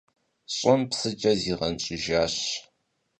ЩӀым псыкӀэ зигъэнщӀыжащ.